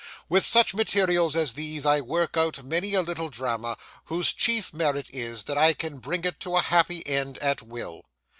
With such materials as these I work out many a little drama, whose chief merit is, that I can bring it to a happy end at will.